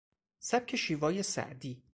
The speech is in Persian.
سبک شیوای سعدی